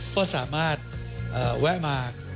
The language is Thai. ก็สามารถแวะมา